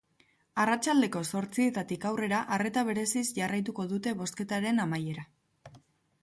Arratsaldeko zortzietatik aurrera arreta bereziz jarraituko dute bozketaren amaiera.